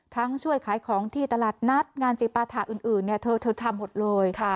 ช่วยขายของที่ตลาดนัดงานจิปาถะอื่นเธอทำหมดเลย